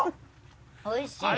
おいしい。